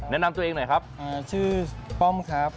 แนะนำตัวเองหน่อยครับชื่อป้อมครับ